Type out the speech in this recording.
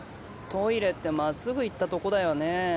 トイレって真っ直ぐ行ったとこだよね。